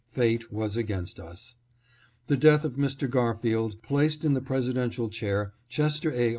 Fate was against us. The death of Mr. Garfield placed in the Presidential chair Chester A.